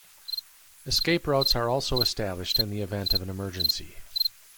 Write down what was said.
Escape routes are also established in the event of an emergency.